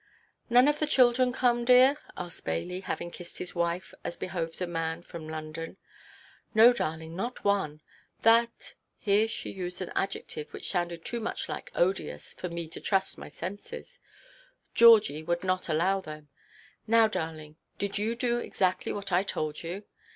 "None of the children come, dear?" asked Bailey, having kissed his wife, as behoves a man from London. "No, darling, not one. That——" here she used an adjective which sounded too much like "odious" for me to trust my senses—"Georgie would not allow them. Now, darling, did you do exactly what I told you?"